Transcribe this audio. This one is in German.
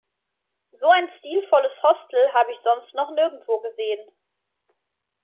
So ein stilvolles Hostel habe ich sonst noch nirgendwo gesehen.